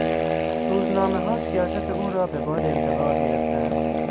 روزنامهها سیاست او را به باد انتقاد گرفتند.